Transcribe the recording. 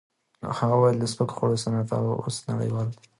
هغه وویل د سپکو خوړو صنعت اوس نړیوال دی.